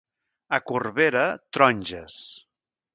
A Corbera, taronges.